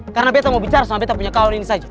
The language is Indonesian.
karena betta mau bicara sama betta punya kawan ini saja